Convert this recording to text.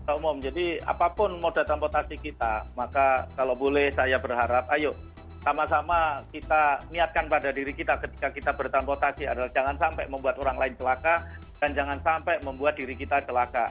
kota umum jadi apapun moda transportasi kita maka kalau boleh saya berharap ayo sama sama kita niatkan pada diri kita ketika kita bertranportasi adalah jangan sampai membuat orang lain celaka dan jangan sampai membuat diri kita celaka